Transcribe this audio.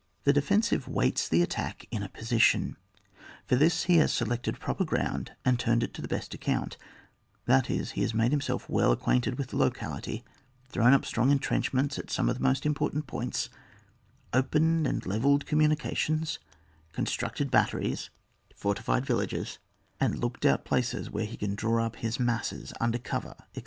TiiQ defensive waits the attack in a position ; for this he has selected proper ground, and turned it to the best account, tiiat is, he has made himself well ac quainted with the locality, thrown up strong entrenchments at some of the most important points, opened and le velled communications, constructed bat teries, fortified villages, and looked out places where he can draw up his masses under cover, etc.